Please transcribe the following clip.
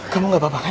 kamu gak apa apa kan